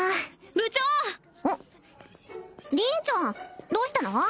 凛ちゃんどうしたの？